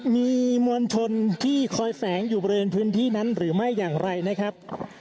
มีมวลชนที่คอยแฝงอยู่บริเวณพื้นที่นั้นหรือไม่อย่างไรนะครับ